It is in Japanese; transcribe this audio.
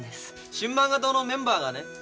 新漫画党のメンバーがね